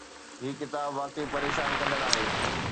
هي ڪتاب واقعي پريشان ڪندڙ آهي.